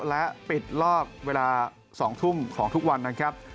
และปิดรอบเวลา๒ทุ่มของทุกวันนะครับ